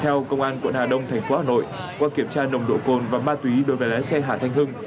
theo công an quận hà đông thành phố hà nội qua kiểm tra nồng độ cồn và ma túy đối với lái xe hà thanh hưng